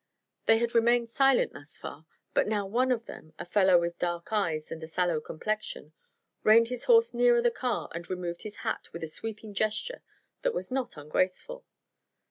They had remained silent thus far, but now one of them, a fellow with dark eyes and a sallow complexion, reined his horse nearer the car and removed his hat with a sweeping gesture that was not ungraceful.